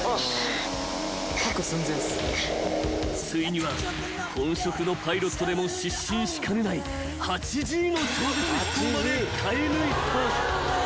［ついには本職のパイロットでも失神しかねない８Ｇの超絶飛行まで耐え抜いた］